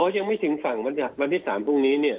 ยังไม่ถึงฝั่งวันที่๓พรุ่งนี้เนี่ย